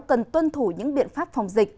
cần tuân thủ những biện pháp phòng dịch